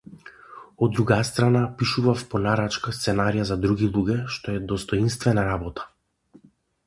Од друга страна, пишував по нарачка сценарија за други луѓе, што е достоинствена работа.